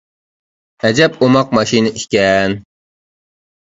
ئەجەب ئوماق ماشىنا ئىكەن.